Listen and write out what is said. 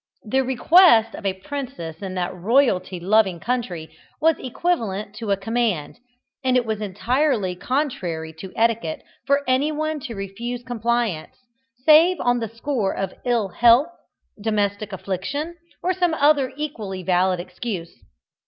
The "request" of a princess in that royalty loving country was equivalent to a command, and it was entirely contrary to etiquette for any one to refuse compliance, save on the score of ill health, domestic affliction, or some other equally valid excuse.